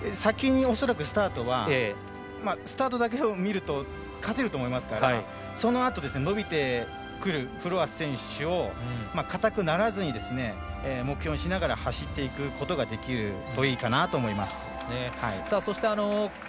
先に恐らくスタートだけを見ると勝てると思いますから、そのあと伸びてくるフロアス選手を硬くならずに、目標にしながら走っていくことができるといいかなと思います。